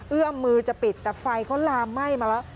เอื้อมมือจะปิดแต่ไฟเขาลามไหม้มาแล้ว